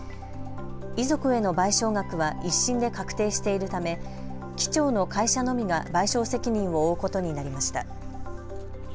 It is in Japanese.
遺族への賠償額は１審で確定しているため機長の会社のみが賠償責任を負うことになりました。